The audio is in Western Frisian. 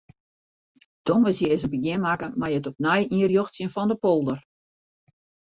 Tongersdei is in begjin makke mei it opnij ynrjochtsjen fan de polder.